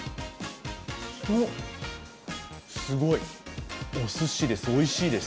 すごい、おすしです。